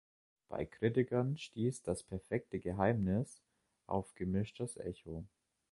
Bei Kritikern stieß "Das perfekte Geheimnis" auf gemischtes Echo.